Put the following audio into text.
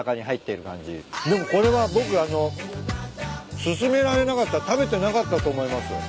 でもこれは僕薦められなかったら食べてなかったと思います。